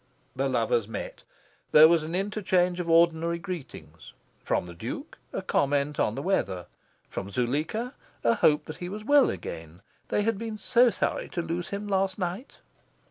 The lovers met. There was an interchange of ordinary greetings: from the Duke, a comment on the weather; from Zuleika, a hope that he was well again they had been so sorry to lose him last night.